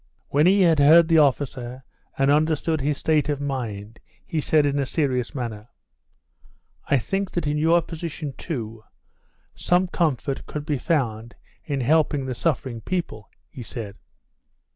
When he had heard the officer and understood his state of mind, he said in a serious manner: "I think that in your position, too, some comfort could be found in helping the suffering people," he said.